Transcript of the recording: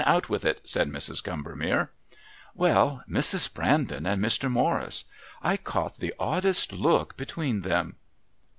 Out with it," said Mrs. Combermere. "Well, Mrs. Brandon and Mr. Morris. I caught the oddest look between them."